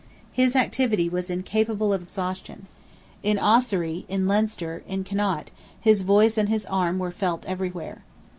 His activity was incapable of exhaustion; in Ossory, in Leinster, in Connaught, his voice and his arm were felt everywhere.